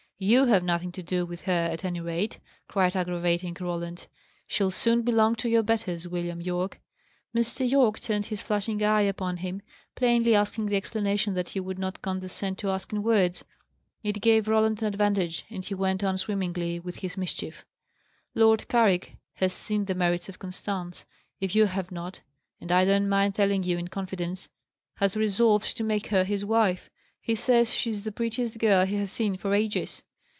"You have nothing to do with her, at any rate," cried aggravating Roland. "She'll soon belong to your betters, William Yorke." Mr. Yorke turned his flashing eye upon him, plainly asking the explanation that he would not condescend to ask in words. It gave Roland an advantage, and he went on swimmingly with his mischief. "Lord Carrick has seen the merits of Constance, if you have not; and I don't mind telling it you in confidence has resolved to make her his wife. He says she's the prettiest girl he has seen for ages."